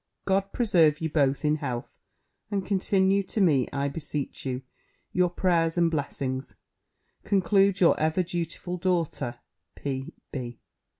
God preserve you both in health, and continue to me, I beseech you, your prayers and blessings, concludes your ever dutiful daughter, P.